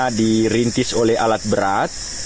karena dirintis oleh alat berat